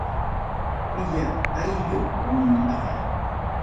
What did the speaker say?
Qaylla ayllu, comunllaqa.